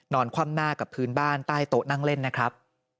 คว่ำหน้ากับพื้นบ้านใต้โต๊ะนั่งเล่นนะครับ